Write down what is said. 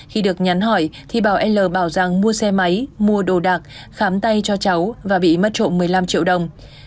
khi được nhắn hỏi thì bảo l bảo rằng mua xe máy mua đồ đạc khám tay cho cháu và bị mất trộm một mươi năm triệu đồng